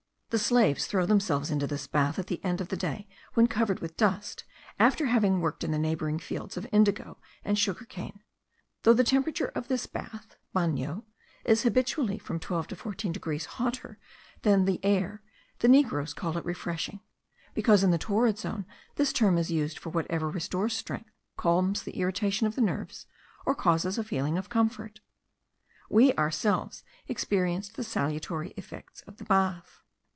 The slaves throw themselves into this bath at the end of the day, when covered with dust, after having worked in the neighbouring fields of indigo and sugar cane. Though the water of this bath (bano) is habitually from 12 to 14 degrees hotter than the air, the negroes call it refreshing; because in the torrid zone this term is used for whatever restores strength, calms the irritation of the nerves, or causes a feeling of comfort. We ourselves experienced the salutary effects of the bath.